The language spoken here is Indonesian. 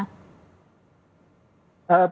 perlu dicermati terlebih awal mbak nadia ya